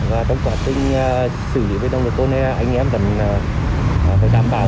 và trong quá trình xử lý về nông đội côn này anh em vẫn phải đảm bảo